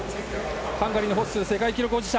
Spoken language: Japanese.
ハンガリーのホッスー世界記録保持者。